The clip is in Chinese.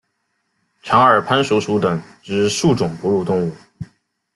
长耳攀鼠属等之数种哺乳动物。